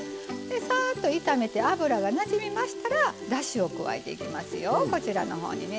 さっと炒めて油がなじみましたらだしを加えていきますよ。